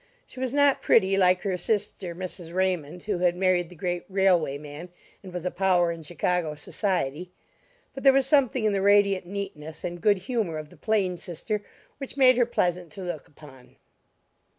She was not pretty like her sister, Mrs. Raimund, who had married the great railway man and was a power in Chicago society; but there was something in the radiant neatness and good humor of the plain sister which made her pleasant to look upon.